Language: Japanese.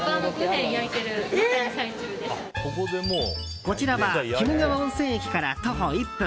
こちらは鬼怒川温泉駅から徒歩１分